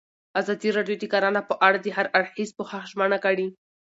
ازادي راډیو د کرهنه په اړه د هر اړخیز پوښښ ژمنه کړې.